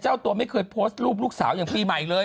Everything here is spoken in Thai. เจ้าตัวไม่เคยโพสต์รูปลูกสาวอย่างปีใหม่เลย